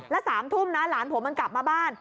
แล้ว๓ทุ่มนะหลานผมมันกลับมาบ้าน